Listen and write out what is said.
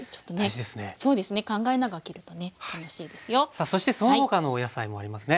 さあそしてその他のお野菜もありますね。